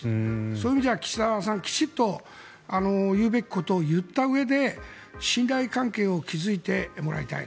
そういう意味じゃ岸田さんはきちんと言うべきことを言ったうえで信頼関係を築いてもらいたい。